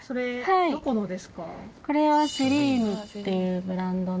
これはセリーヌっていうブランドの。